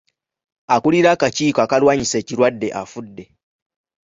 Akulira akakiiko akalwanyisa ekirwadde afudde.